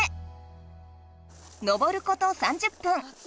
登ること３０分。